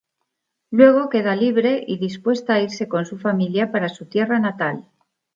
Luego queda libre y dispuesta a irse con su familia para su tierra natal.